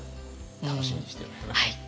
楽しみにしております。